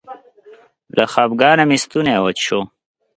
له خپګانه مې ستونی وچ شو.